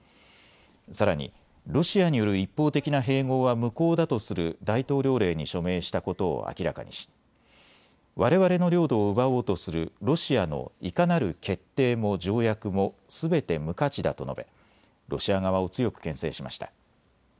さらにロシアによる一方的な併合は無効だとする大統領令に署名したことを明らかにしわれわれの領土を奪おうとするロシアのいかなる決定も条約もすべて無価値だと述べロシア側を強くけん制しました。